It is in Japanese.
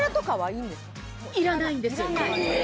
いらないんです。